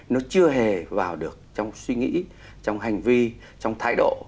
nó chưa hề vào được trong suy nghĩ trong hành vi trong thái độ